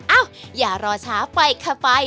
เอ้าอย่ารอช้าไปค่ะไฟ